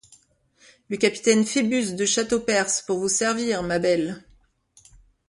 Le capitaine Phoebus de Châteaupers, pour vous servir, ma belle!